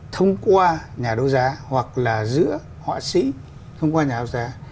thông qua nhà đấu giá hoặc là giữa họa sĩ thông qua nhà đấu giá